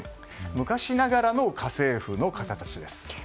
昔ながらの家政婦の方たちです。